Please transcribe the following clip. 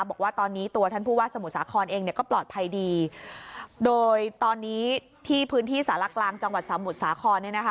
บอกว่าตอนนี้ตัวท่านผู้ว่าสมุทรสาครเองเนี่ยก็ปลอดภัยดีโดยตอนนี้ที่พื้นที่สารกลางจังหวัดสมุทรสาครเนี่ยนะคะ